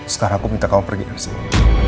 sekarang aku minta kamu pergi ke sini